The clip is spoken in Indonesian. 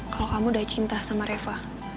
kalau kamu udah cinta sama reva